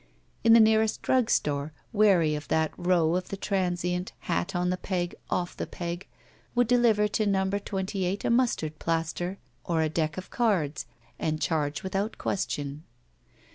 Even the nearest drug store, wary of that row of the transient hat on the peg, off the peg, would deliver to No. 28 a mustard plaster or a deck of cards and charge without question.